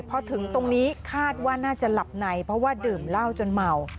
พอถึงตรงนี้คาดว่าน่าจะหลับในเพราะว่าดื่มเหล้าจนเมา